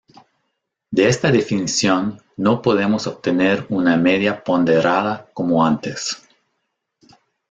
De esta definición no podemos obtener una media ponderada como antes.